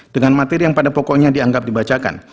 dengan materi yang pada pokoknya dianggap dibacakan